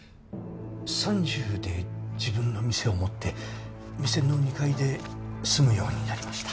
３０で自分の店を持って店の２階で住むようになりました